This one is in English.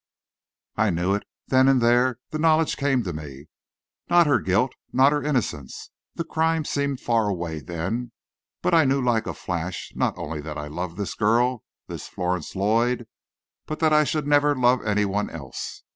I knew it! Then and there the knowledge came to me! Not her guilt, not her innocence. The crime seemed far away then, but I knew like a flash not only that I loved this girl, this Florence Lloyd, but that I should never love any one else.